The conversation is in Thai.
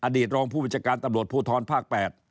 อดีตรองผู้วิจการตำรวจพูดทอนภาค๘